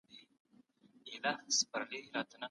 سپیڅلي لارویان د فتوا له مخې وینه تویوي.